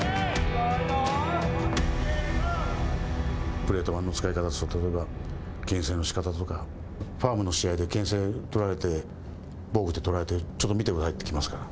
プレート板の使い方とかけん制の仕方とかファームの試合でけん制取られてボークを取られてちょっと見てくださいって来ますから。